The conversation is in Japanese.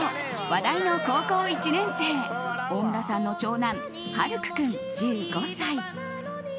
話題の高校１年生大村さんの長男・晴空君、１５歳。